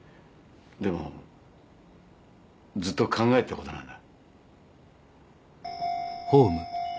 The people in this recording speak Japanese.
でもずっと考えてたことなんだ。